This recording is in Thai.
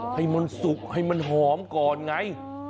ให้มันสุกให้มันหอมก่อนไง